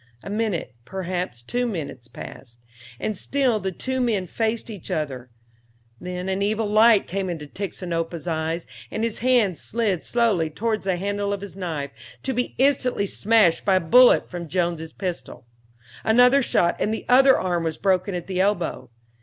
A minute, perhaps two minutes, passed, and still the two men faced each other; then an evil light came into Tixinopa's eyes, and his hand slid slowly towards the handle of his knife, to be instantly smashed by a bullet from Jones' pistol. Another shot and the other arm was broken at the elbow.